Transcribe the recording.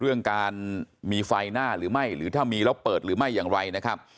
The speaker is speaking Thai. เรื่องการมีไฟหน้าหรือไม่หรือถ้ามีแล้วเปิดหรือไม่อย่างไรนะครับ